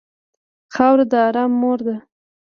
خاوره د ارام مور ده.